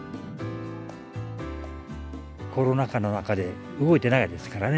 コロナ禍の中で動いてないですからね。